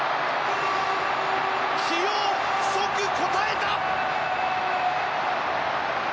起用、即応えた！